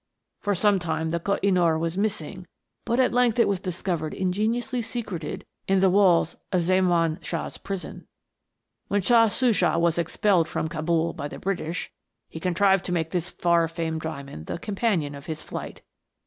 For some time the Koh i noor was missing, but at length it was discovered inge niously secreted in the walls of Zemaun Shah's prison. When Shah Shuja was expelled from Cabul by the British, he contrived to make this far famed diamond the companion of his flight.